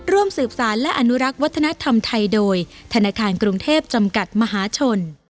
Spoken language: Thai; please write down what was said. ร่วมสืบสารและอนุรักษ์วัฒนธรรมไทยโดยธนาคารกรุงเทพจำกัดมหาชน